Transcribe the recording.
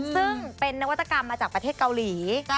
ซึ่งเป็นนวัตกรรมมาจากประเทศเกาหลี